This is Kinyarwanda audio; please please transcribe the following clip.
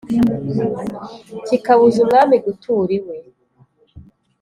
kikabuza umwami gutura iwe